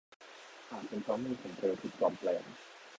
อาจเป็นเพราะมือของเธอถูกปลอมแปลง